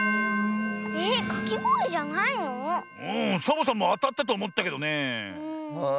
サボさんもあたったとおもったけどねえ。